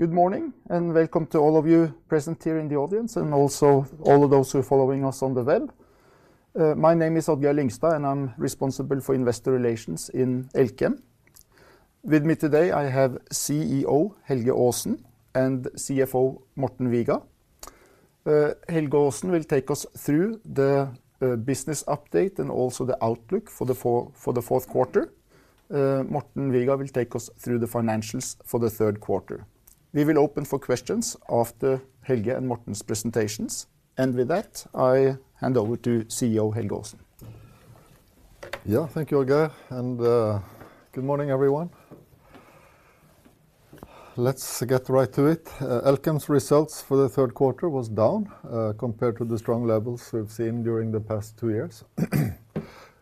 Good morning, and welcome to all of you present here in the audience, and also all of those who are following us on the web. My name is Odd-Geir Lyngstad, and I'm responsible for investor relations in Elkem. With me today, I have CEO Helge Aasen and CFO Morten Viga. Helge Aasen will take us through the business update and also the outlook for the fourth quarter. Morten Viga will take us through the financials for the third quarter. We will open for questions after Helge and Morten's presentations. And with that, I hand over to CEO Helge Aasen. Yeah, thank you, Odd-Geir, and good morning, everyone. Let's get right to it. Elkem's results for the third quarter was down compared to the strong levels we've seen during the past two years.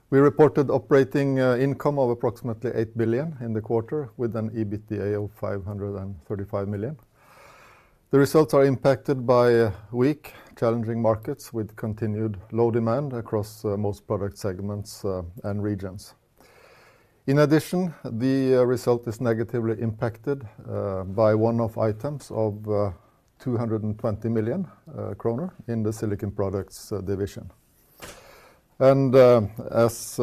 We reported operating income of approximately 8 billion in the quarter, with an EBITDA of 535 million. The results are impacted by weak, challenging markets, with continued low demand across most product segments and regions. In addition, the result is negatively impacted by one-off items of 220 million kroner in the Silicon Products division. As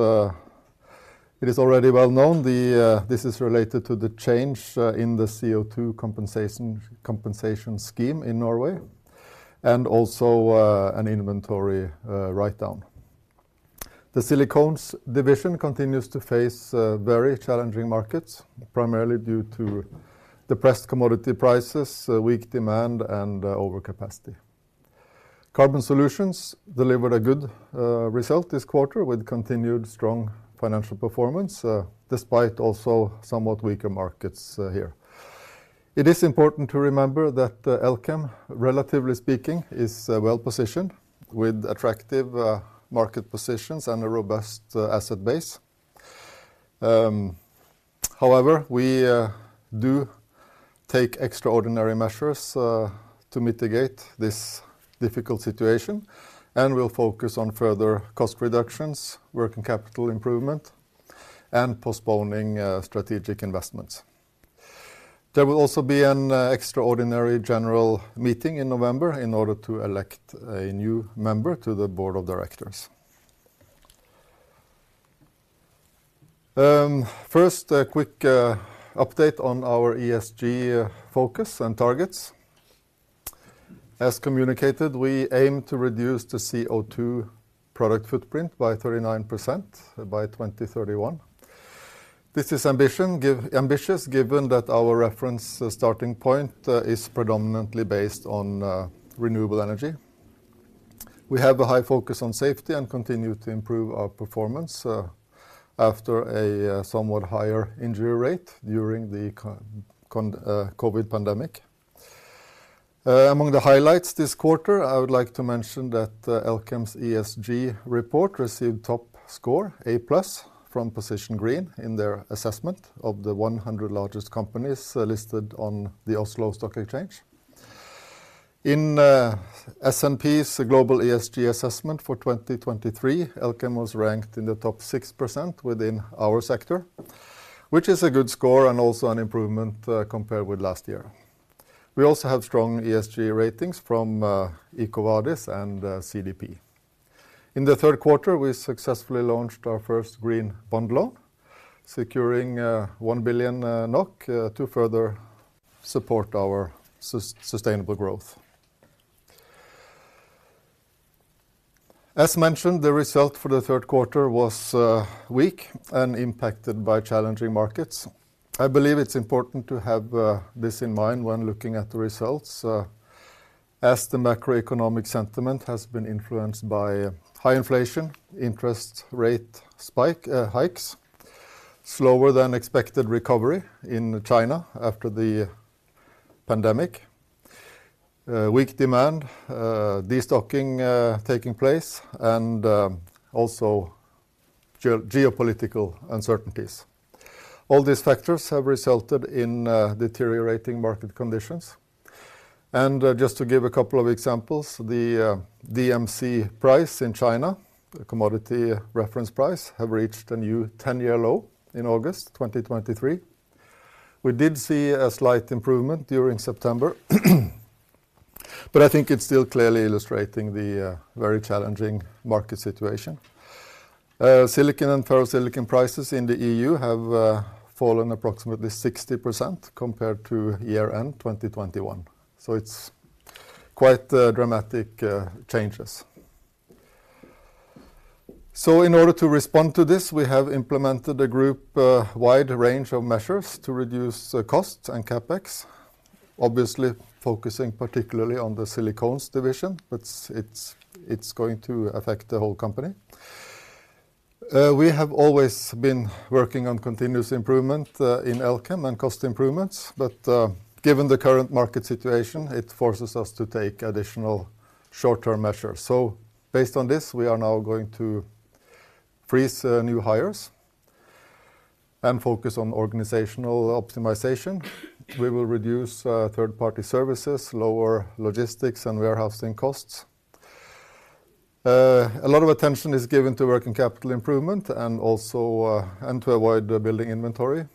it is already well known, this is related to the change in the CO2 compensation scheme in Norway, and also an inventory write-down. The Silicones division continues to face very challenging markets, primarily due to depressed commodity prices, weak demand, and overcapacity. Carbon Solutions delivered a good result this quarter, with continued strong financial performance, despite also somewhat weaker markets here. It is important to remember that Elkem, relatively speaking, is well-positioned, with attractive market positions and a robust asset base. However, we do take extraordinary measures to mitigate this difficult situation, and we'll focus on further cost reductions, working capital improvement, and postponing strategic investments. There will also be an Extraordinary General Meeting in November in order to elect a new member to the Board of Directors. First, a quick update on our ESG focus and targets. As communicated, we aim to reduce the CO2 product footprint by 39% by 2031. This is ambitious, given that our reference starting point is predominantly based on renewable energy. We have a high focus on safety and continue to improve our performance after a somewhat higher injury rate during the COVID pandemic. Among the highlights this quarter, I would like to mention that Elkem's ESG report received top score, A+, from Position Green in their assessment of the 100 largest companies listed on the Oslo Stock Exchange. In S&P's global ESG assessment for 2023, Elkem was ranked in the top 6% within our sector, which is a good score and also an improvement compared with last year. We also have strong ESG ratings from EcoVadis and CDP. In the third quarter, we successfully launched our first green bond loan, securing 1 billion NOK to further support our sustainable growth. As mentioned, the result for the third quarter was weak and impacted by challenging markets. I believe it's important to have this in mind when looking at the results, as the macroeconomic sentiment has been influenced by high inflation, interest rate spike hikes, slower-than-expected recovery in China after the pandemic, weak demand, destocking taking place, and also geopolitical uncertainties. All these factors have resulted in deteriorating market conditions. And just to give a couple of examples, the DMC price in China, the commodity reference price, have reached a new 10-year low in August 2023. We did see a slight improvement during September, but I think it's still clearly illustrating the very challenging market situation. Silicon and ferrosilicon prices in the EU have fallen approximately 60% compared to year-end 2021, so it's quite dramatic changes. So in order to respond to this, we have implemented a group wide range of measures to reduce costs and CapEx, obviously focusing particularly on the Silicones division, but it's going to affect the whole company. We have always been working on continuous improvement in Elkem and cost improvements, but given the current market situation, it forces us to take additional short-term measures. So based on this, we are now going to freeze new hires and focus on organizational optimization. We will reduce third-party services, lower logistics and warehousing costs. A lot of attention is given to working capital improvement, and also and to avoid building inventory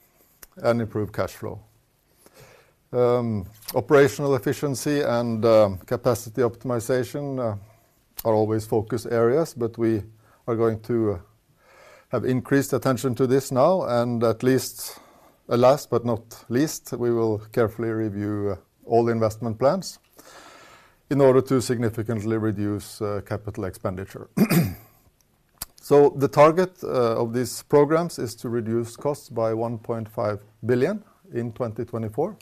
and improve cash flow. Operational efficiency and capacity optimization are always focus areas, but we are going to have increased attention to this now, and at least last but not least, we will carefully review all investment plans in order to significantly reduce capital expenditure. So the target of these programs is to reduce costs by 1.5 billion in 2024.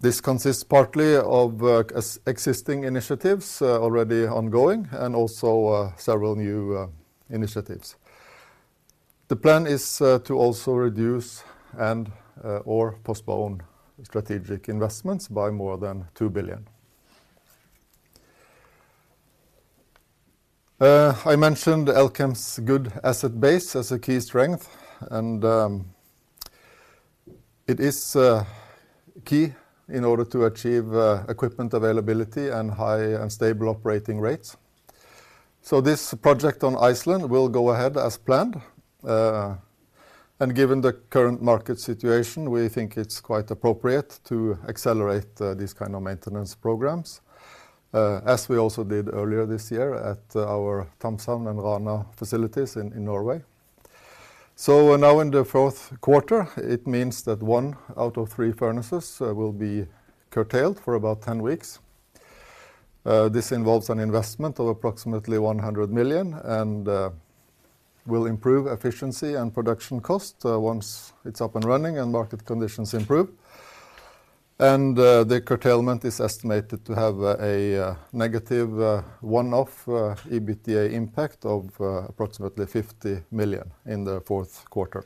This consists partly of work on existing initiatives already ongoing, and also several new initiatives. The plan is to also reduce and/or postpone strategic investments by more than 2 billion. I mentioned Elkem's good asset base as a key strength, and it is key in order to achieve equipment availability and high and stable operating rates. So this project on Iceland will go ahead as planned. Given the current market situation, we think it's quite appropriate to accelerate these kind of maintenance programs, as we also did earlier this year at our Thamshavn and Rana facilities in Norway. So now in the fourth quarter, it means that one out of three furnaces will be curtailed for about 10 weeks. This involves an investment of approximately 100 million, and will improve efficiency and production cost once it's up and running and market conditions improve. The curtailment is estimated to have a negative one-off EBITDA impact of approximately 50 million in the fourth quarter.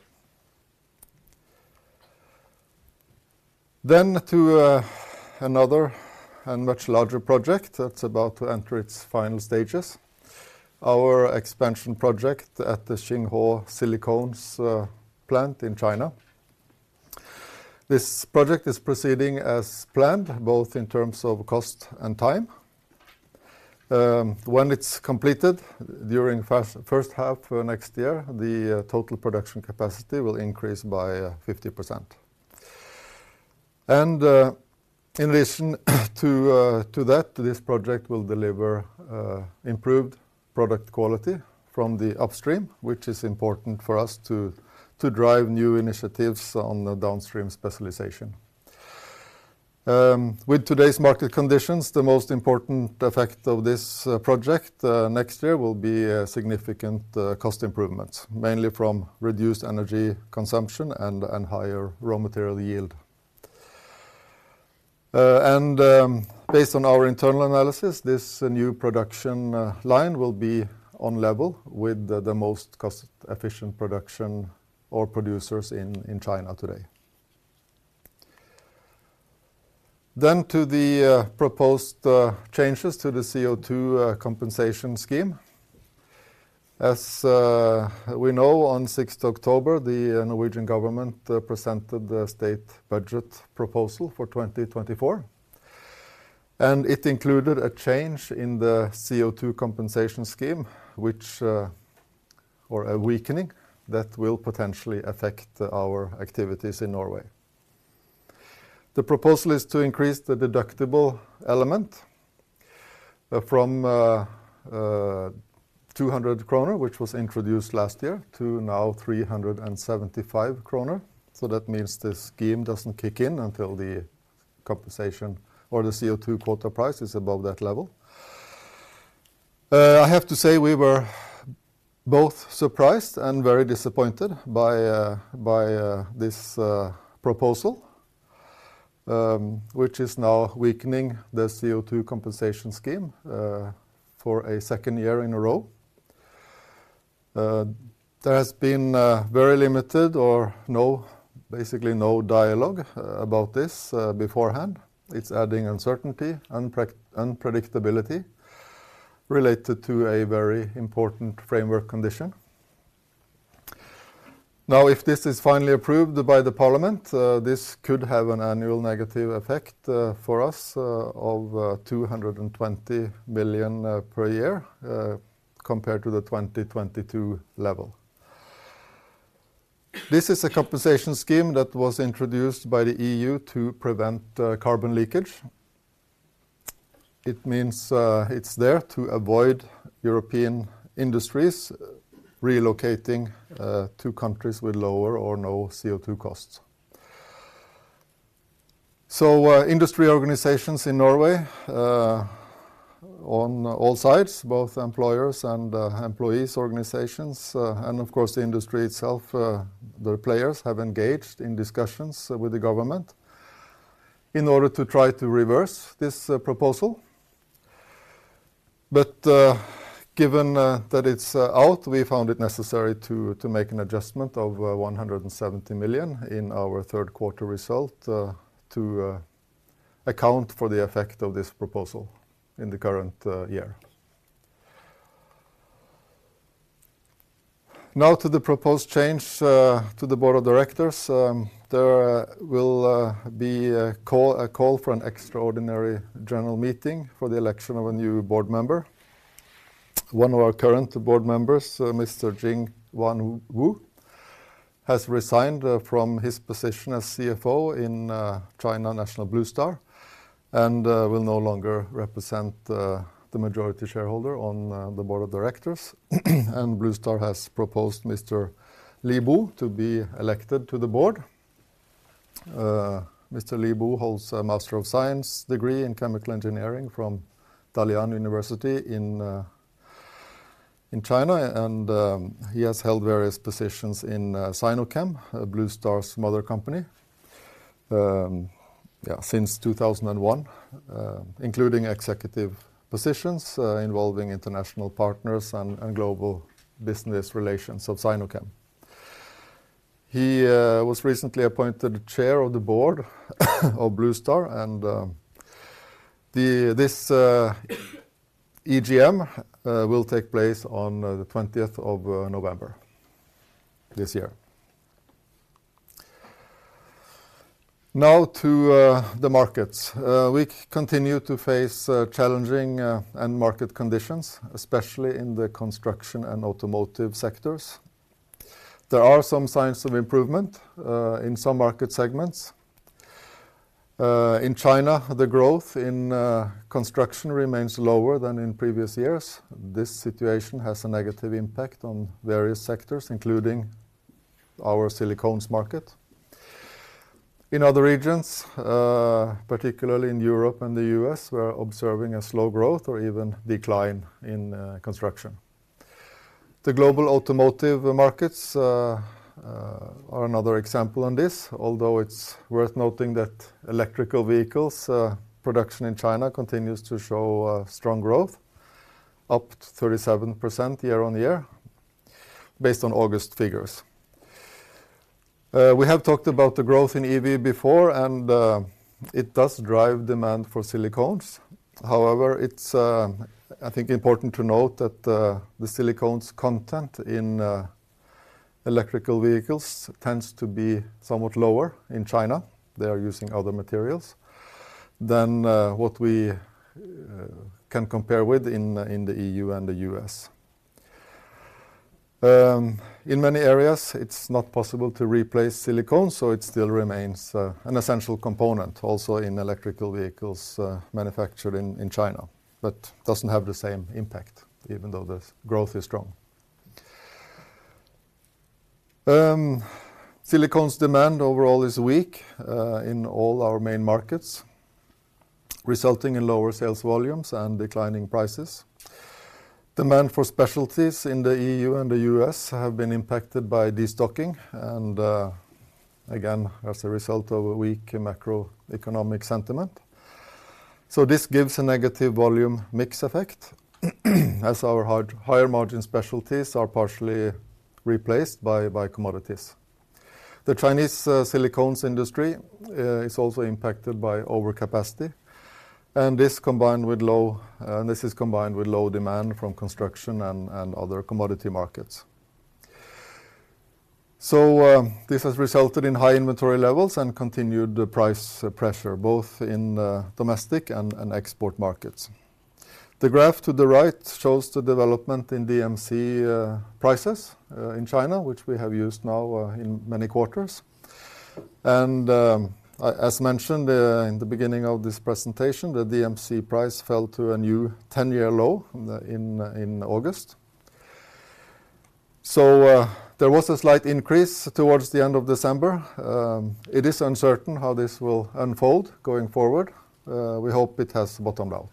Then to another and much larger project that's about to enter its final stages, our expansion project at the Xinghuo Silicones plant in China. This project is proceeding as planned, both in terms of cost and time. When it's completed during first half next year, the total production capacity will increase by 50%. In addition to that, this project will deliver improved product quality from the upstream, which is important for us to drive new initiatives on the downstream specialization. With today's market conditions, the most important effect of this project next year will be significant cost improvements, mainly from reduced energy consumption and higher raw material yield. And based on our internal analysis, this new production line will be on level with the most cost-efficient production or producers in China today. Then to the proposed changes to the CO2 compensation scheme. As we know, on 6th October, the Norwegian government presented the state budget proposal for 2024, and it included a change in the CO2 compensation scheme, which or a weakening that will potentially affect our activities in Norway. The proposal is to increase the deductible element from 200 kroner, which was introduced last year, to now 375 kroner. So that means the scheme doesn't kick in until the compensation or the CO2 quota price is above that level. I have to say, we were both surprised and very disappointed by this proposal, which is now weakening the CO2 compensation scheme for a second year in a row. There has been very limited or basically no dialogue about this beforehand. It's adding uncertainty and unpredictability related to a very important framework condition. Now, if this is finally approved by the parliament, this could have an annual negative effect for us of 220 million per year compared to the 2022 level. This is a compensation scheme that was introduced by the EU to prevent carbon leakage. It means, it's there to avoid European industries relocating, to countries with lower or no CO2 costs. So, industry organizations in Norway, on all sides, both employers and, employees, organizations, and of course, the industry itself, the players have engaged in discussions with the government in order to try to reverse this, proposal. But, given that it's out, we found it necessary to make an adjustment of 170 million in our third quarter result, to account for the effect of this proposal in the current year. Now to the proposed change, to the Board of Directors. There will be a call for an Extraordinary General Meeting for the election of a new Board member. One of our current board members, Mr. Jingwan Wu has resigned from his position as CFO in China National Bluestar, and will no longer represent the majority shareholder on the Board of Directors. Bluestar has proposed Mr. Li Bo to be elected to the Board. Mr. Li Bo holds a Master of Science degree in chemical engineering from Dalian University in China, and he has held various positions in Sinochem, Bluestar's mother company, since 2001, including executive positions involving international partners and global business relations of Sinochem. He was recently appointed Chair of the Board of Bluestar, and this EGM will take place on the 20th of November this year. Now to the markets. We continue to face challenging end market conditions, especially in the construction and automotive sectors. There are some signs of improvement in some market segments. In China, the growth in construction remains lower than in previous years. This situation has a negative impact on various sectors, including our silicones market. In other regions, particularly in Europe and the U.S., we're observing a slow growth or even decline in construction. The global automotive markets are another example on this, although it's worth noting that electric vehicles production in China continues to show strong growth, up to 37% year-over-year, based on August figures. We have talked about the growth in EV before, and it does drive demand for silicones. However, it's, I think important to note that, the silicones content in electric vehicles tends to be somewhat lower in China; they are using other materials than what we can compare with in the EU and the U.S. In many areas, it's not possible to replace silicone, so it still remains an essential component, also in electric vehicles manufactured in China, but doesn't have the same impact, even though the growth is strong. Silicones demand overall is weak in all our main markets, resulting in lower sales volumes and declining prices. Demand for specialties in the EU and the U.S. has been impacted by destocking, and again, as a result of a weak macroeconomic sentiment. So this gives a negative volume mix effect, as our higher margin specialties are partially replaced by commodities. The Chinese silicones industry is also impacted by overcapacity, and this is combined with low demand from construction and other commodity markets. So, this has resulted in high inventory levels and continued the price pressure, both in domestic and export markets. The graph to the right shows the development in DMC prices in China, which we have used now in many quarters. And, as mentioned in the beginning of this presentation, the DMC price fell to a new 10-year low in August. So, there was a slight increase towards the end of December. It is uncertain how this will unfold going forward. We hope it has bottomed out.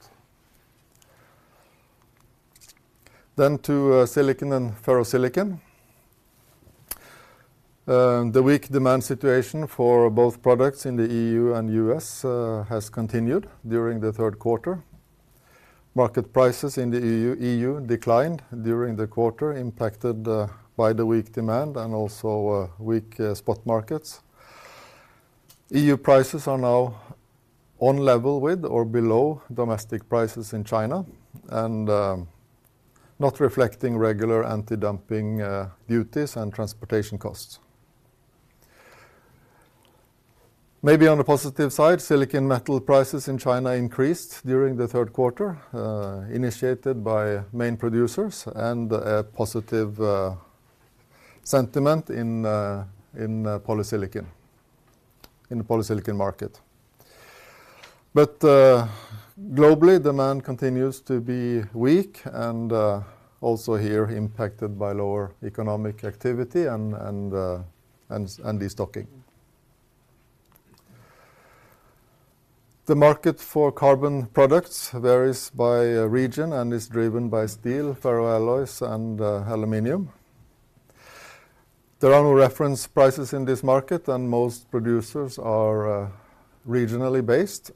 Then to silicon and ferrosilicon. The weak demand situation for both products in the EU and U.S. has continued during the third quarter. Market prices in the EU declined during the quarter, impacted by the weak demand and also weak spot markets. EU prices are now on level with or below domestic prices in China, and not reflecting regular anti-dumping duties and transportation costs. Maybe on the positive side, silicon metal prices in China increased during the third quarter, initiated by main producers and a positive sentiment in the polysilicon market. But globally, demand continues to be weak and also here impacted by lower economic activity and destocking. The market for carbon products varies by region and is driven by steel, ferroalloys, and aluminum. There are no reference prices in this market, and most producers are regionally based.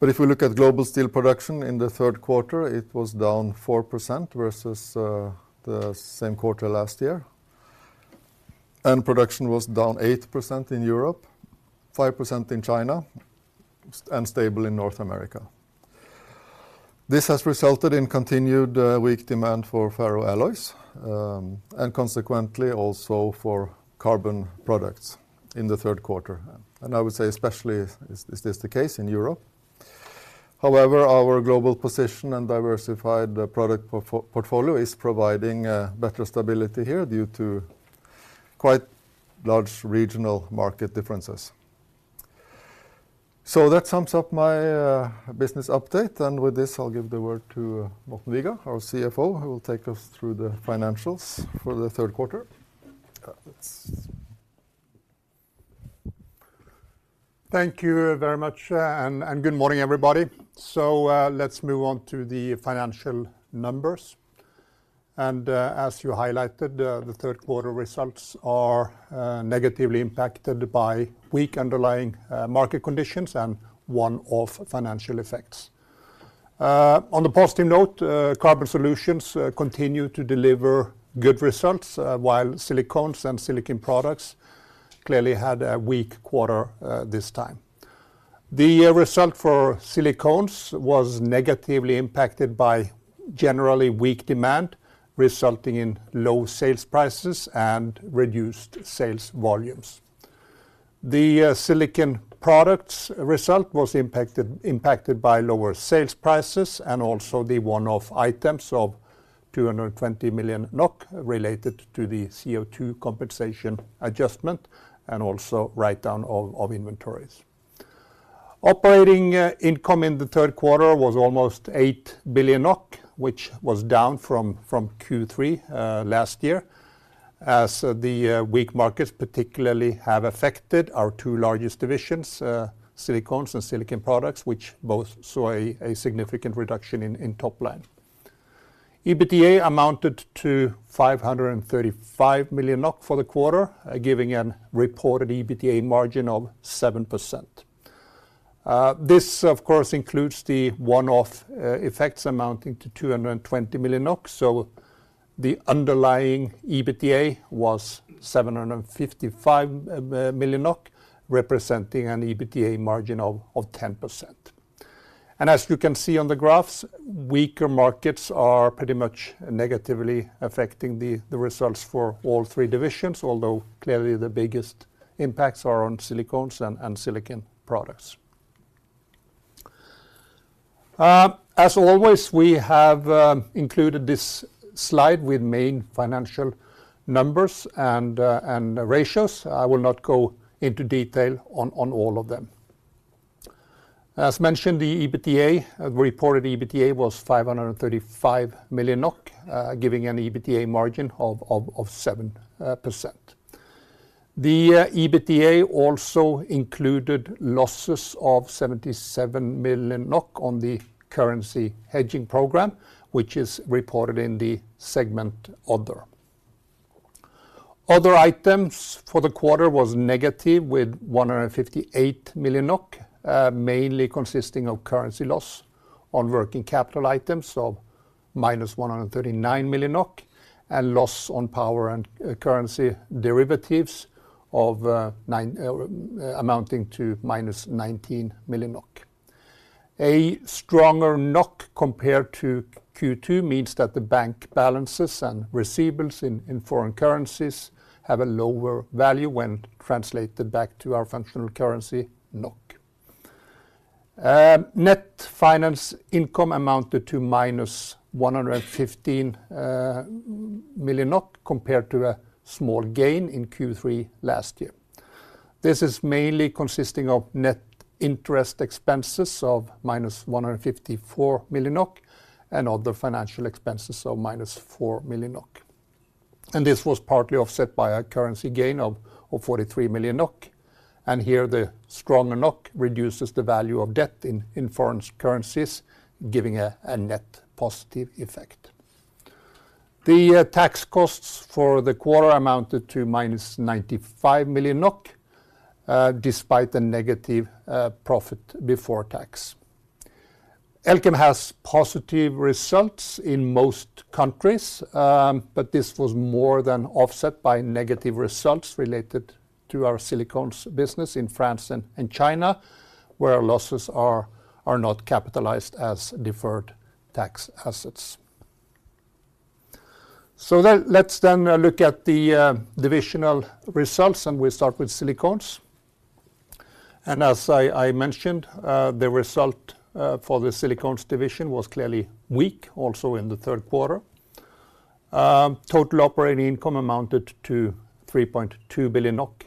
But if we look at global steel production in the third quarter, it was down 4% versus the same quarter last year, and production was down 8% in Europe, 5% in China, and stable in North America. This has resulted in continued weak demand for ferroalloys and consequently also for carbon products in the third quarter. And I would say especially is this the case in Europe. However, our global position and diversified product portfolio is providing better stability here due to quite large regional market differences. So that sums up my business update, and with this, I'll give the word to Morten Viga, our CFO, who will take us through the financials for the third quarter. Thank you very much, and good morning, everybody. So, let's move on to the financial numbers. And, as you highlighted, the third quarter results are negatively impacted by weak underlying market conditions and one-off financial effects. On a positive note, Carbon Solutions continue to deliver good results, while Silicones and Silicon Products clearly had a weak quarter this time. The result for Silicones was negatively impacted by generally weak demand, resulting in low sales prices and reduced sales volumes. The Silicon Products result was impacted by lower sales prices and also the one-off items of 220 million NOK, related to the CO2 compensation adjustment, and also write-down of inventories. Operating income in the third quarter was almost 8 billion NOK, which was down from Q3 last year, as the weak markets particularly have affected our two largest divisions, Silicones and Silicon Products, which both saw a significant reduction in top line. EBITDA amounted to 535 million NOK for the quarter, giving a reported EBITDA margin of 7%. This, of course, includes the one-off effects amounting to 220 million NOK, so the underlying EBITDA was 755 million NOK, representing an EBITDA margin of 10%. And as you can see on the graphs, weaker markets are pretty much negatively affecting the results for all three divisions, although clearly the biggest impacts are on Silicones and Silicon Products. As always, we have included this slide with main financial numbers and ratios. I will not go into detail on all of them. As mentioned, the EBITDA, reported EBITDA, was 535 million NOK, giving an EBITDA margin of 7%. The EBITDA also included losses of 77 million NOK on the currency hedging program, which is reported in the segment Other. Other items for the quarter was negative, with 158 million NOK, mainly consisting of currency loss on working capital items, so minus 139 million NOK, and loss on power and currency derivatives of nine, amounting to minus 19 million NOK. A stronger NOK compared to Q2 means that the bank balances and receivables in, in foreign currencies have a lower value when translated back to our functional currency, NOK. Net finance income amounted to -115 million NOK, compared to a small gain in Q3 last year. This is mainly consisting of net interest expenses of -154 million NOK and other financial expenses of -4 million NOK. And this was partly offset by a currency gain of 43 million NOK, and here the stronger NOK reduces the value of debt in, in foreign currencies, giving a net positive effect. The tax costs for the quarter amounted to -95 million NOK despite the negative profit before tax. Elkem has positive results in most countries, but this was more than offset by negative results related to our Silicones business in France and China, where our losses are not capitalized as deferred tax assets. Let's then look at the divisional results, and we start with Silicones. As I mentioned, the result for the Silicones division was clearly weak, also in the third quarter. Total operating income amounted to 3.2 billion NOK,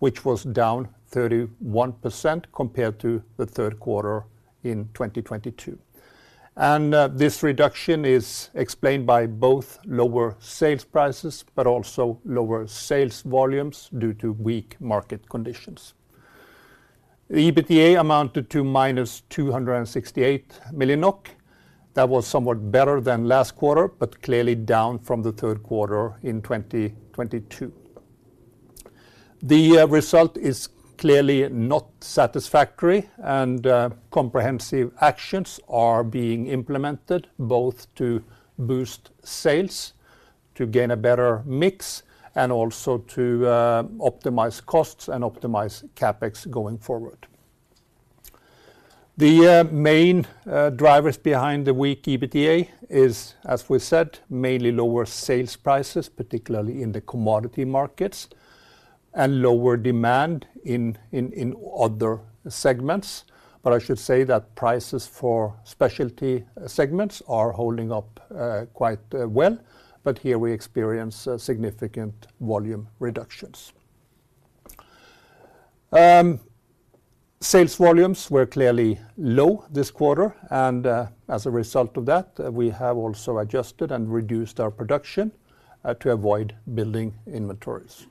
which was down 31% compared to the third quarter in 2022. This reduction is explained by both lower sales prices, but also lower sales volumes due to weak market conditions. The EBITDA amounted to -268 million NOK. That was somewhat better than last quarter, but clearly down from the third quarter in 2022. The result is clearly not satisfactory, and comprehensive actions are being implemented, both to boost sales, to gain a better mix, and also to optimize costs and optimize CapEx going forward. The main drivers behind the weak EBITDA is, as we said, mainly lower sales prices, particularly in the commodity markets, and lower demand in other segments. But I should say that prices for specialty segments are holding up quite well, but here we experience significant volume reductions. Sales volumes were clearly low this quarter, and as a result of that, we have also adjusted and reduced our production to avoid building inventories.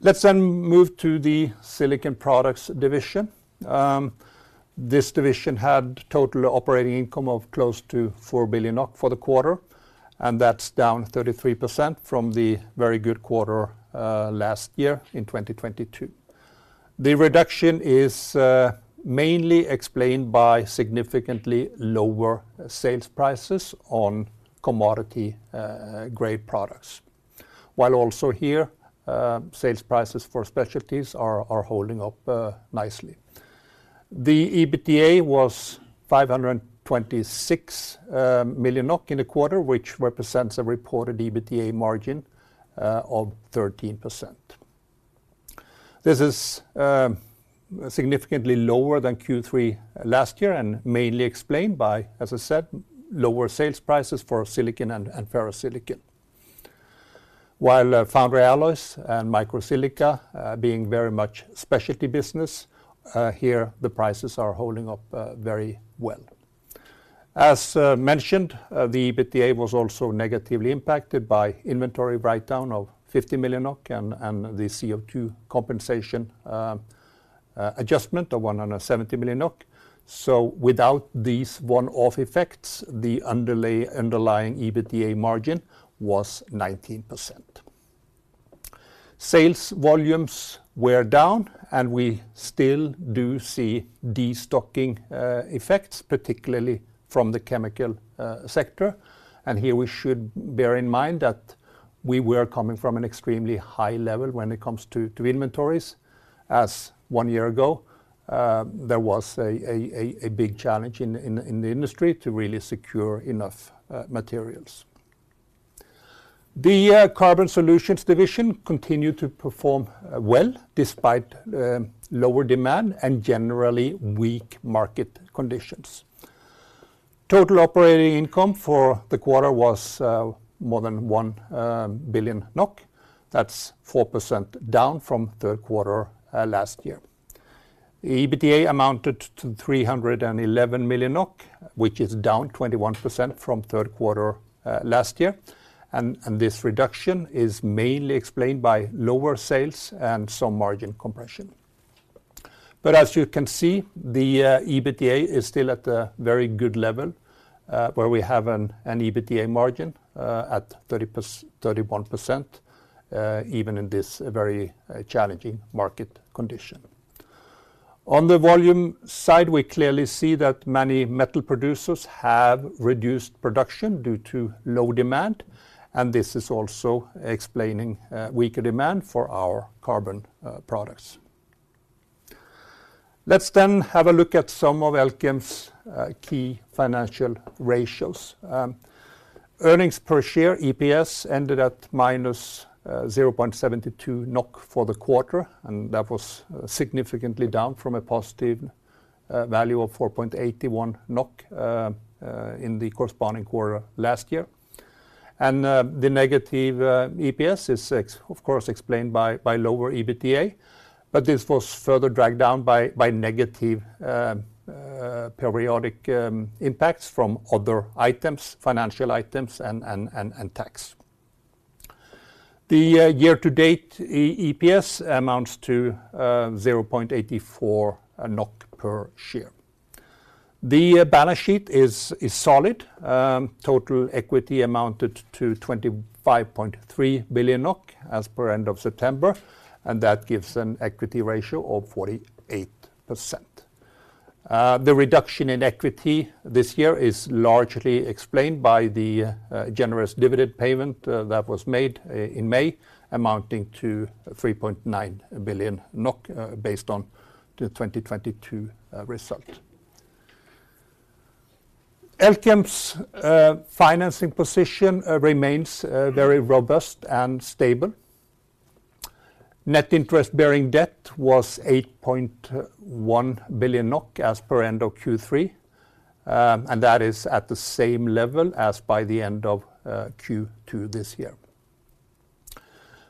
Let's then move to the Silicon Products Division. This division had total operating income of close to 4 billion for the quarter, and that's down 33% from the very good quarter last year in 2022. The reduction is mainly explained by significantly lower sales prices on commodity grade products, while also here sales prices for specialties are holding up nicely. The EBITDA was 526 million NOK in the quarter, which represents a reported EBITDA margin of 13%. This is significantly lower than Q3 last year, and mainly explained by, as I said, lower sales prices for silicon and ferrosilicon. While foundry alloys and microsilica being very much specialty business here, the prices are holding up very well. As mentioned, the EBITDA was also negatively impacted by inventory write-down of 50 million and the CO2 compensation adjustment of 170 million. So without these one-off effects, the underlying EBITDA margin was 19%. Sales volumes were down, and we still do see destocking effects, particularly from the chemical sector. Here, we should bear in mind that we were coming from an extremely high level when it comes to inventories, as one year ago there was a big challenge in the industry to really secure enough materials. The Carbon Solutions division continued to perform well, despite lower demand and generally weak market conditions. Total operating income for the quarter was more than 1 billion NOK. That's 4% down from third quarter last year. EBITDA amounted to 311 million NOK, which is down 21% from third quarter last year. This reduction is mainly explained by lower sales and some margin compression. But as you can see, the EBITDA is still at a very good level, where we have an EBITDA margin at 31%, even in this very challenging market condition. On the volume side, we clearly see that many metal producers have reduced production due to low demand, and this is also explaining weaker demand for our carbon products. Let's then have a look at some of Elkem's key financial ratios. Earnings per share, EPS, ended at -0.72 NOK for the quarter, and that was significantly down from a positive value of 4.81 NOK in the corresponding quarter last year. The negative EPS is, of course, explained by lower EBITDA, but this was further dragged down by negative periodic impacts from other items, financial items, and tax. The year-to-date EPS amounts to 0.84 NOK per share. The balance sheet is solid. Total equity amounted to 25.3 billion NOK as per end of September, and that gives an equity ratio of 48%. The reduction in equity this year is largely explained by the generous dividend payment that was made in May, amounting to 3.9 billion NOK, based on the 2022 result. Elkem's financing position remains very robust and stable. Net interest-bearing debt was 8.1 billion NOK as per end of Q3, and that is at the same level as by the end of Q2 this year.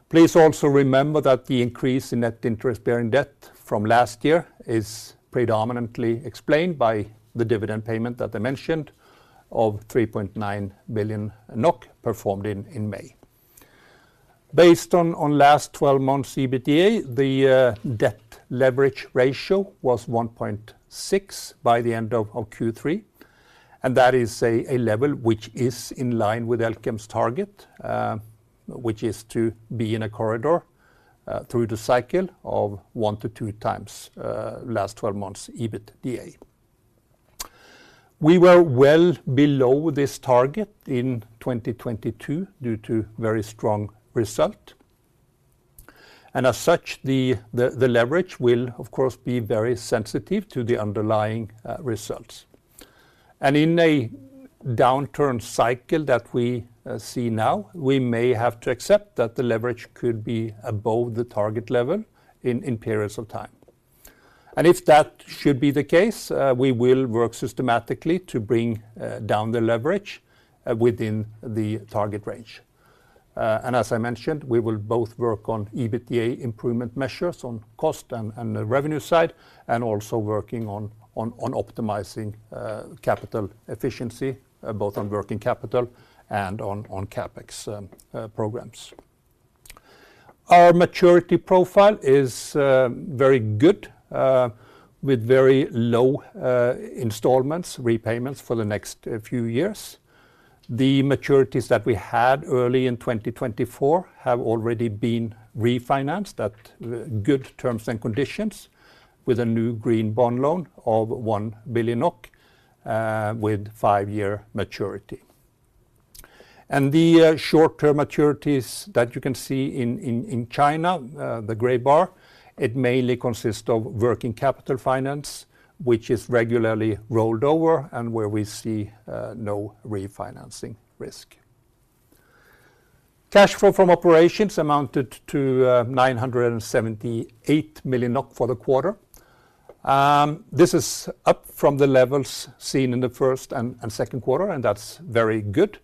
Please also remember that the increase in net interest-bearing debt from last year is predominantly explained by the dividend payment that I mentioned of 3.9 billion NOK performed in May. Based on last 12 months EBITDA, the debt leverage ratio was 1.6x by the end of Q3. That is a level which is in line with Elkem's target, which is to be in a corridor through the cycle of 1x-2x last 12 months EBITDA. We were well below this target in 2022 due to very strong result. And as such, the leverage will, of course, be very sensitive to the underlying results. And in a downturn cycle that we see now, we may have to accept that the leverage could be above the target level in periods of time. And if that should be the case, we will work systematically to bring down the leverage within the target range. As I mentioned, we will both work on EBITDA improvement measures, on cost and the revenue side, and also working on optimizing capital efficiency, both on working capital and on CapEx programs. Our maturity profile is very good with very low installments, repayments for the next few years. The maturities that we had early in 2024 have already been refinanced at good terms and conditions, with a new green bond loan of 1 billion NOK with five-year maturity. And the short-term maturities that you can see in China, the gray bar, it mainly consists of working capital finance, which is regularly rolled over and where we see no refinancing risk. Cash flow from operations amounted to 978 million NOK for the quarter. This is up from the levels seen in the first and second quarter, and that's very good.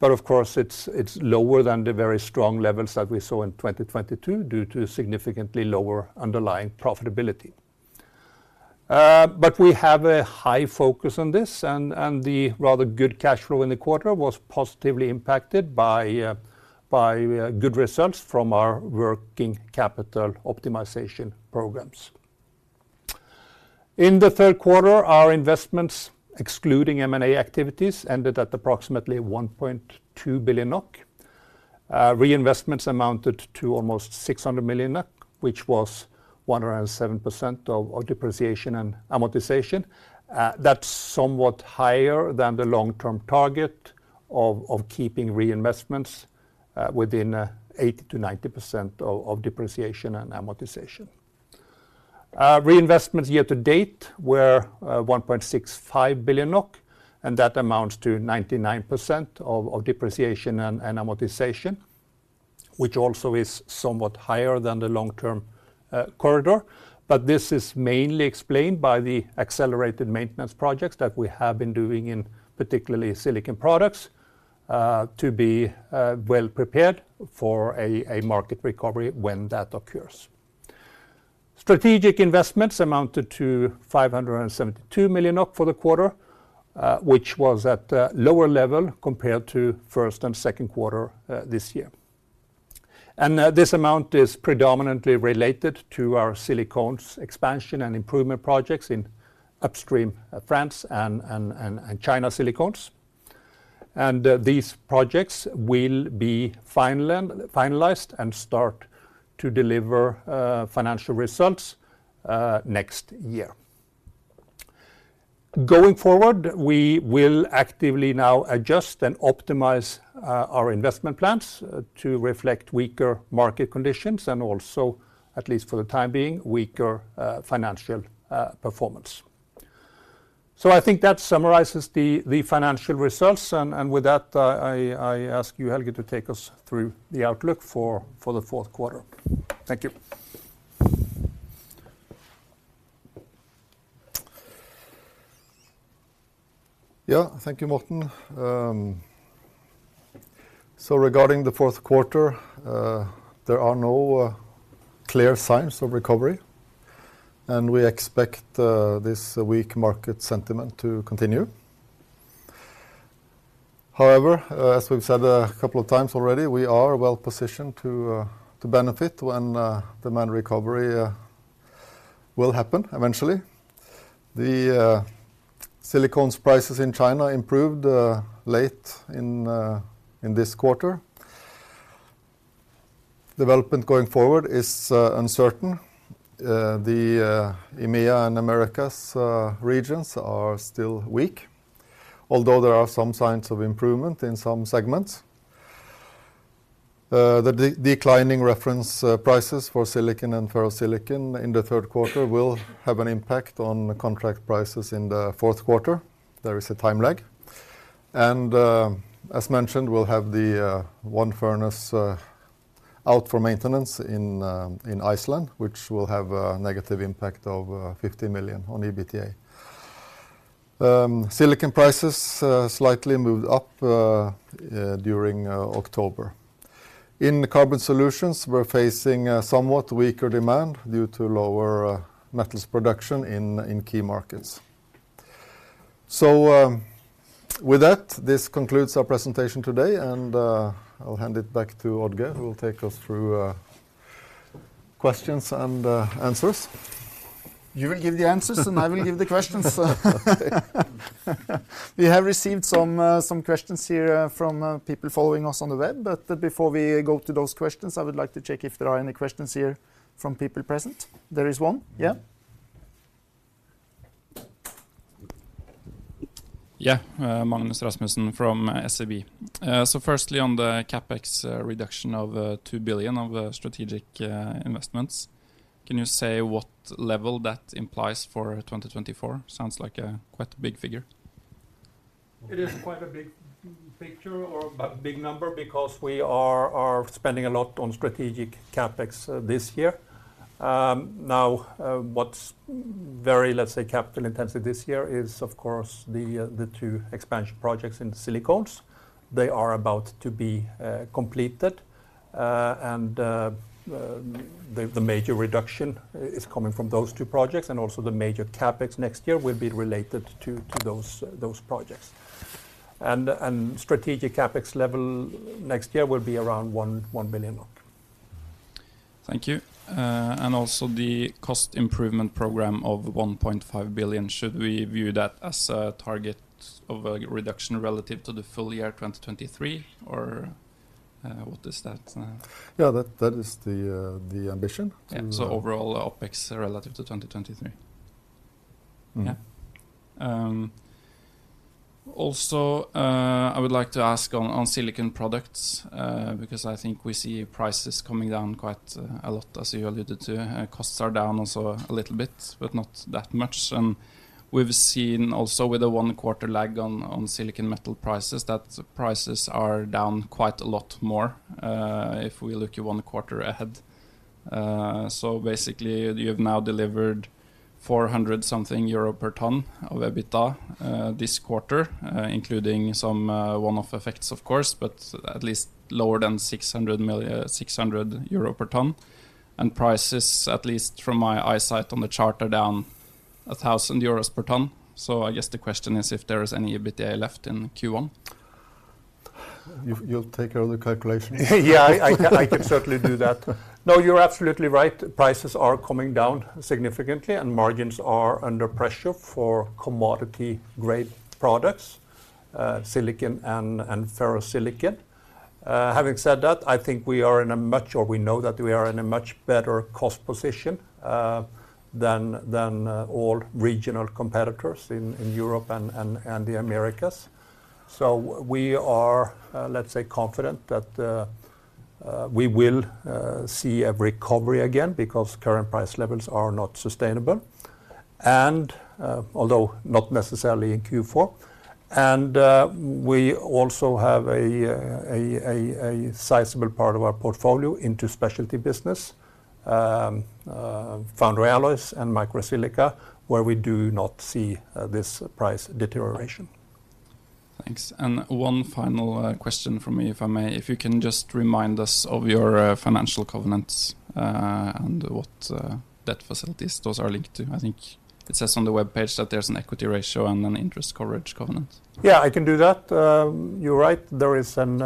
But of course, it's lower than the very strong levels that we saw in 2022 due to significantly lower underlying profitability. But we have a high focus on this, and the rather good cash flow in the quarter was positively impacted by good results from our working capital optimization programs. In the third quarter, our investments, excluding M&A activities, ended at approximately 1.2 billion NOK. Reinvestments amounted to almost 600 million NOK, which was 107% of depreciation and amortization. That's somewhat higher than the long-term target of keeping reinvestments within 80%-90% of depreciation and amortization. Reinvestments year to date were 1.65 billion NOK, and that amounts to 99% of depreciation and amortization, which also is somewhat higher than the long-term corridor. But this is mainly explained by the accelerated maintenance projects that we have been doing in, particularly, Silicon Products, to be well-prepared for a market recovery when that occurs. Strategic investments amounted to 572 million for the quarter, which was at a lower level compared to first and second quarter this year. This amount is predominantly related to our silicones expansion and improvement projects in upstream France and China silicones. These projects will be finalized and start to deliver financial results next year. Going forward, we will actively now adjust and optimize our investment plans to reflect weaker market conditions and also, at least for the time being, weaker financial performance. So I think that summarizes the financial results, and with that, I ask you, Helge, to take us through the outlook for the fourth quarter. Thank you. Yeah, thank you, Morten. So regarding the fourth quarter, there are no clear signs of recovery, and we expect this weak market sentiment to continue. However, as we've said a couple of times already, we are well positioned to benefit when demand recovery will happen eventually. The silicones prices in China improved late in this quarter. Development going forward is uncertain. The EMEA and Americas regions are still weak, although there are some signs of improvement in some segments. The declining reference prices for silicon and ferrosilicon in the third quarter will have an impact on the contract prices in the fourth quarter. There is a time lag. As mentioned, we'll have the one furnace out for maintenance in Iceland, which will have a negative impact of 50 million on EBITDA. Silicon prices slightly moved up during October. In Carbon Solutions, we're facing a somewhat weaker demand due to lower metals production in key markets. With that, this concludes our presentation today, and I'll hand it back to Odd-Geir, who will take us through questions and answers. You will give the answers, and I will give the questions. We have received some questions here from people following us on the web, but before we go to those questions, I would like to check if there are any questions here from people present. There is one. Yeah? Yeah. Magnus Rasmussen from SEB. So firstly, on the CapEx, reduction of 2 billion of strategic investments, can you say what level that implies for 2024? Sounds like a quite big figure. It is quite a big figure or but big number because we are spending a lot on strategic CapEx this year. Now, what's very, let's say, capital intensive this year is, of course, the two expansion projects in silicones. They are about to be completed, and the major reduction is coming from those two projects, and also the major CapEx next year will be related to those projects. And strategic CapEx level next year will be around 1 billion. Thank you. Also the cost improvement program of 1.5 billion, should we view that as a target of reduction relative to the full year 2023? Or, what is that- Yeah, that is the ambition. Yeah, so overall, OpEx relative to 2023. Mm-hmm. Yeah. Also, I would like to ask on Silicon Products, because I think we see prices coming down quite a lot, as you alluded to. Costs are down also a little bit, but not that much. We've seen also with a one quarter lag on silicon metal prices, that prices are down quite a lot more, if we look at one quarter ahead. So basically, you've now delivered 400-something euro per ton of EBITDA this quarter, including some one-off effects, of course, but at least lower than 600 euro EUR per ton. And prices, at least from my eyesight on the chart, are down 1,000 euros per ton. So I guess the question is if there is any EBITDA left in Q1? You, you'll take care of the calculation? Yeah, I can certainly do that. No, you're absolutely right. Prices are coming down significantly, and margins are under pressure for commodity grade products, silicon and ferrosilicon. Having said that, I think we are in a much... Or we know that we are in a much better cost position than all regional competitors in Europe and the Americas. So we are, let's say, confident that we will see a recovery again because current price levels are not sustainable, and although not necessarily in Q4. And we also have a sizable part of our portfolio into specialty business, foundry alloys and microsilica, where we do not see this price deterioration. Thanks. And one final question from me, if I may. If you can just remind us of your financial covenants, and what debt facilities those are linked to. I think it says on the web page that there's an equity ratio and an interest coverage covenant. Yeah, I can do that. You're right, there is an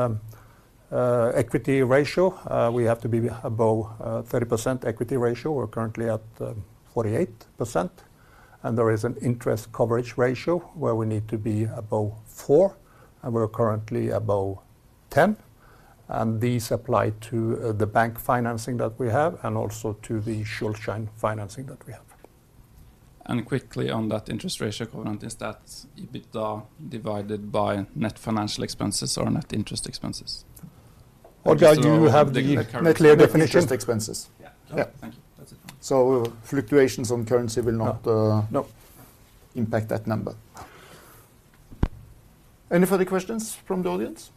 equity ratio. We have to be above 30% equity ratio. We're currently at 48%, and there is an interest coverage ratio where we need to be above 4%, and we're currently above 10%. And these apply to the bank financing that we have and also to the Schuldschein financing that we have. Quickly on that interest ratio covenant, is that EBITDA divided by net financial expenses or net interest expenses? Odd-Geir, do you have the net clear definition? Net interest expenses. Yeah. Yeah. Thank you. That's it. Fluctuations on currency will not, No... impact that number. Any further questions from the audience?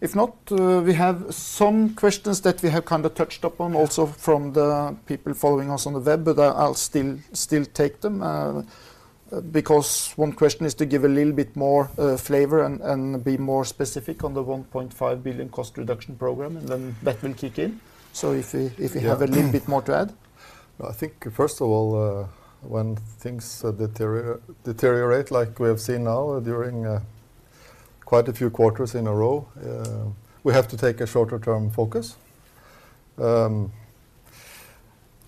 If not, we have some questions that we have kind of touched upon also from the people following us on the web, but I'll still take them, because one question is to give a little bit more flavor and be more specific on the 1.5 billion cost reduction program, and then that will kick in. So if you, if you- Yeah... have a little bit more to add. I think, first of all, when things deteriorate like we have seen now during quite a few quarters in a row, we have to take a shorter-term focus. You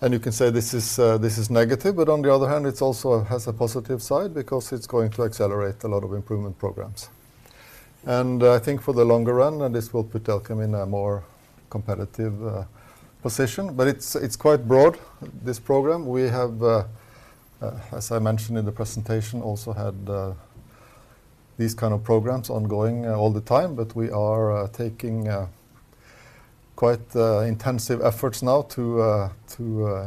can say this is negative, but on the other hand, it's also has a positive side because it's going to accelerate a lot of improvement programs. I think for the longer run, this will put Elkem in a more competitive position, but it's quite broad, this program. We have, as I mentioned in the presentation, also had these kind of programs ongoing all the time, but we are taking quite intensive efforts now to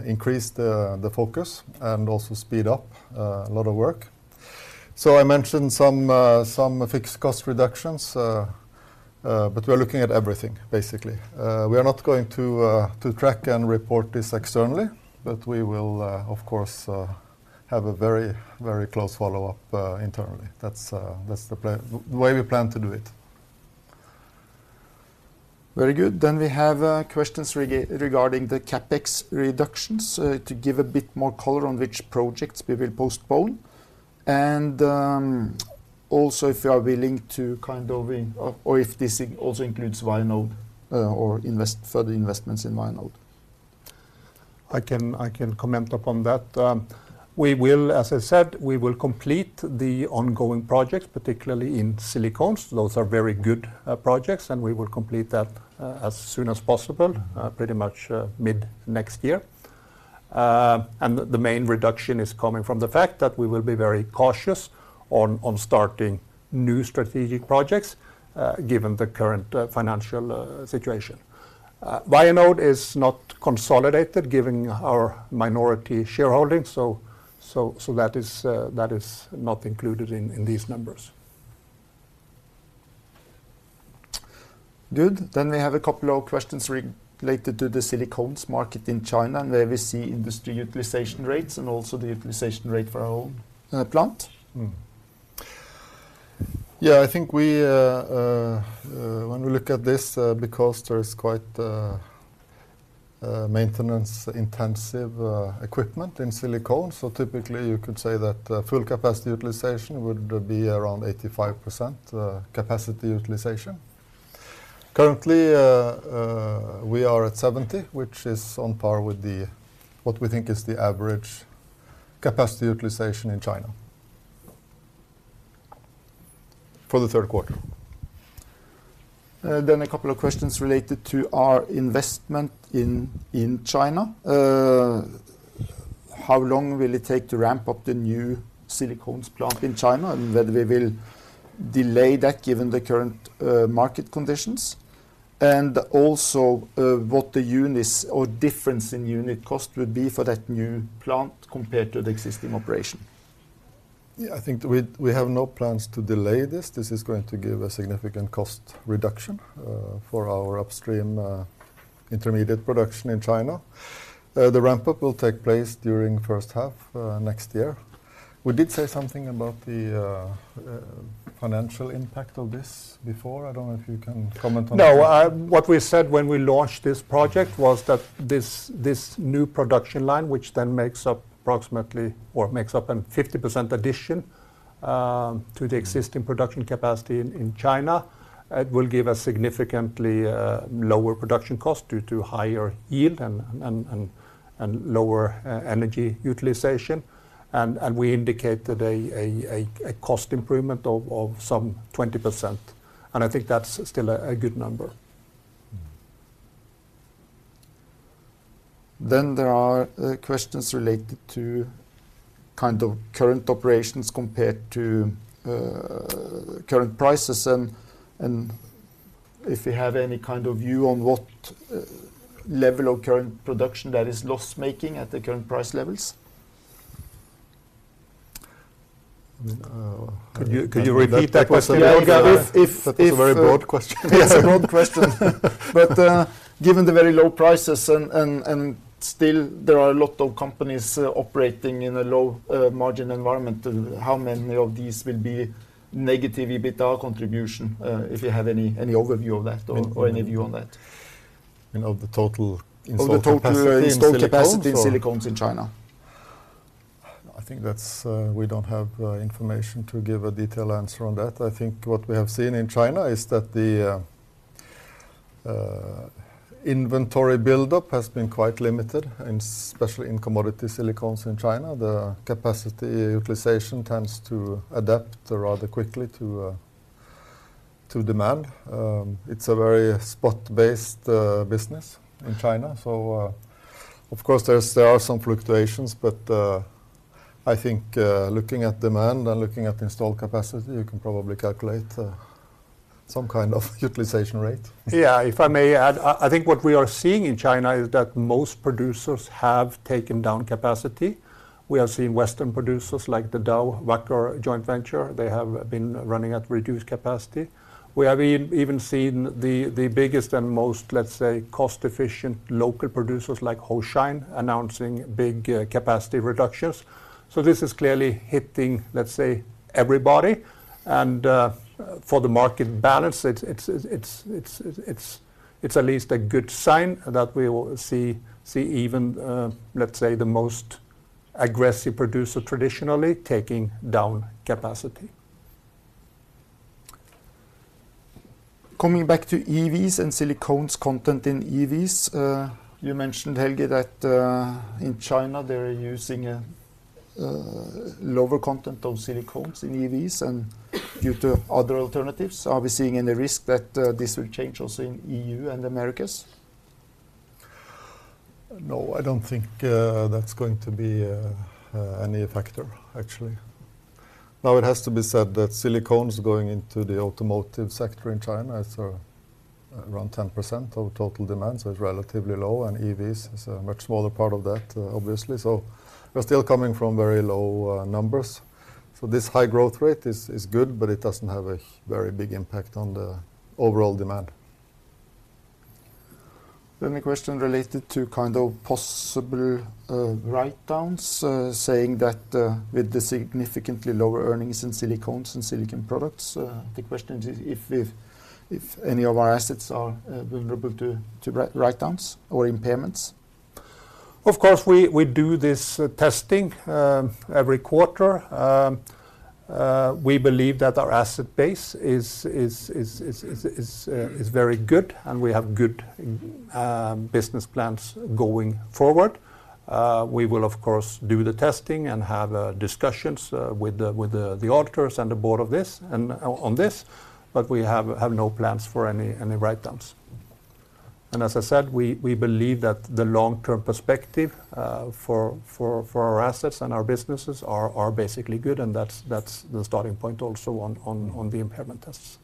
increase the focus and also speed up a lot of work. So I mentioned some fixed cost reductions, but we are looking at everything, basically. We are not going to track and report this externally, but we will, of course, have a very, very close follow-up internally. That's the plan... the way we plan to do it. Very good. Then we have questions regarding the CapEx reductions to give a bit more color on which projects we will postpone. Also, if you are willing to kind of in or if this also includes Vianode or further investments in Vianode? I can, I can comment upon that. We will, as I said, we will complete the ongoing projects, particularly in silicones. Those are very good projects, and we will complete that as soon as possible, pretty much mid next year. The main reduction is coming from the fact that we will be very cautious on starting new strategic projects, given the current financial situation. Vianode is not consolidated, given our minority shareholding. That is not included in these numbers. Good. Then we have a couple of questions related to the silicones market in China, and where we see industry utilization rates and also the utilization rate for our own plant. Mm-hmm. Yeah, I think we, when we look at this, because there is quite maintenance intensive equipment in silicones, so typically you could say that full capacity utilization would be around 85% capacity utilization. Currently, we are at 70%, which is on par with what we think is the average capacity utilization in China for the third quarter. Then a couple of questions related to our investment in China. How long will it take to ramp up the new silicones plant in China, and whether we will delay that given the current market conditions? And also, what the units or difference in unit cost would be for that new plant compared to the existing operation? Yeah, I think we have no plans to delay this. This is going to give a significant cost reduction for our upstream intermediate production in China. The ramp-up will take place during first half next year. We did say something about the financial impact of this before. I don't know if you can comment on that. No, what we said when we launched this project was that this new production line, which then makes up approximately a 50% addition to the existing production capacity in China, will give a significantly lower production cost due to higher yield and lower energy utilization. We indicated a cost improvement of some 20%, and I think that's still a good number. Mm-hmm. Then there are, questions related to kind of current operations compared to, current prices, and, and if you have any kind of view on what, level of current production that is loss-making at the current price levels? I mean, Could you, could you repeat that question? Yeah, if— That's a very broad question. It's a broad question. But, given the very low prices and still there are a lot of companies operating in a low margin environment, how many of these will be negative EBITDA contribution? If you have any overview of that or any view on that. You know, the total installed capacity- Of the total installed capacity in silicones in China. I think that's, we don't have information to give a detailed answer on that. I think what we have seen in China is that the inventory buildup has been quite limited, and especially in commodity silicones in China, the capacity utilization tends to adapt rather quickly to demand. It's a very spot-based business in China. So, of course, there are some fluctuations, but I think, looking at demand and looking at installed capacity, you can probably calculate some kind of utilization rate. Yeah, if I may add, I think what we are seeing in China is that most producers have taken down capacity. We have seen Western producers, like the Dow-Wacker joint venture. They have been running at reduced capacity. We have even seen the biggest and most, let's say, cost-efficient local producers like Hoshine, announcing big capacity reductions. So this is clearly hitting, let's say, everybody. And for the market balance, it's at least a good sign that we will see even, let's say, the most aggressive producer traditionally taking down capacity. Coming back to EVs and silicones content in EVs, you mentioned, Helge, that in China, they're using a lower content of silicones in EVs and due to other alternatives. Are we seeing any risk that this will change also in EU and Americas? No, I don't think that's going to be any factor, actually. Now, it has to be said that silicones going into the automotive sector in China is around 10% of total demand, so it's relatively low, and EVs is a much smaller part of that, obviously. So we're still coming from very low numbers. So this high growth rate is good, but it doesn't have a very big impact on the overall demand. Then the question related to kind of possible write-downs, saying that with the significantly lower earnings in Silicones and Silicon Products, the question is if any of our assets are vulnerable to write-downs or impairments? ...Of course, we do this testing every quarter. We believe that our asset base is very good, and we have good business plans going forward. We will, of course, do the testing and have discussions with the auditors and the Board of this and on this, but we have no plans for any writedowns. And as I said, we believe that the long-term perspective for our assets and our businesses are basically good, and that's the starting point also on the impairment tests.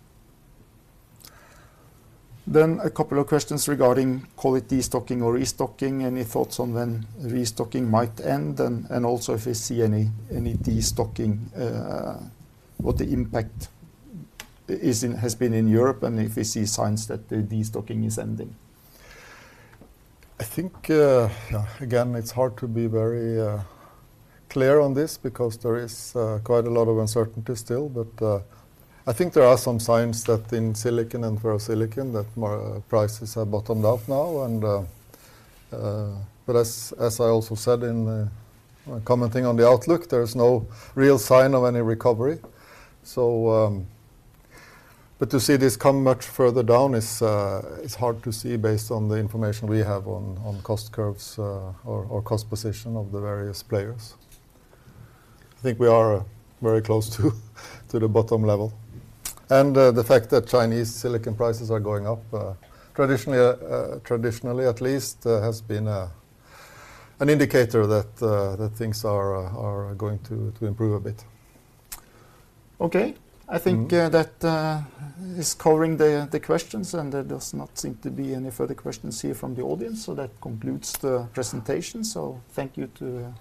A couple of questions regarding quality stocking or restocking. Any thoughts on when restocking might end? And also if you see any destocking, what the impact is has been in Europe, and if you see signs that the destocking is ending? I think, again, it's hard to be very clear on this because there is quite a lot of uncertainty still. But I think there are some signs that in silicon and for silicon, that more prices have bottomed out now, and. But as I also said in commenting on the outlook, there is no real sign of any recovery. So, but to see this come much further down is hard to see based on the information we have on cost curves or cost position of the various players. I think we are very close to the bottom level. And the fact that Chinese silicon prices are going up, traditionally, at least, has been an indicator that things are going to improve a bit. Okay. I think that is covering the questions, and there does not seem to be any further questions here from the audience. So that concludes the presentation. So thank you to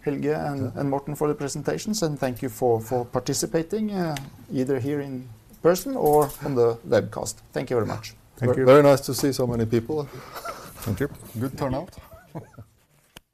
Helge and Morten for the presentations, and thank you for participating, either here in person or on the webcast. Thank you very much. Thank you. Very nice to see so many people. Thank you. Good turnout.